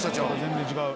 全然違う。